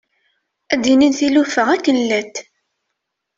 Ad d-inin tilufa akken llant.